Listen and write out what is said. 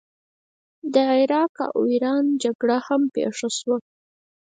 د عراق او ایران جګړه هم پیښه شوه.